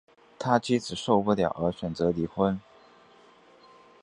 他妻子受不了而选择离婚